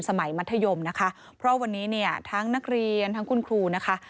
มัธยมนะคะเพราะวันนี้เนี่ยทั้งนักเรียนทั้งคุณครูนะคะ